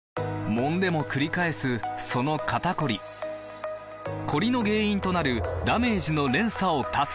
もんでもくり返すその肩こりコリの原因となるダメージの連鎖を断つ！